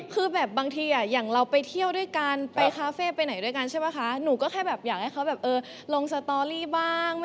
เพราะว่าพี่เตรียมมาสี่คนนี้ทักจะเลือกไม่ถูกเลยว่าคนไหนบ้าง